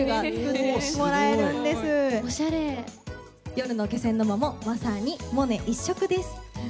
夜の気仙沼もまさにモネ一色です。